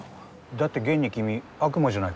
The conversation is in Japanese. だって現に君悪魔じゃないか。